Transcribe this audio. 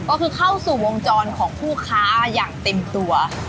ก็คือเข้าสู่วงจรของผู้ค้าอย่างเต็มตัว